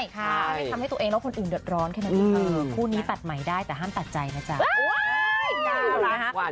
เพื่อแก้ปัญหาหนังตาเตรียม